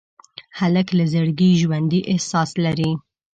هلک له زړګي ژوندي احساس لري.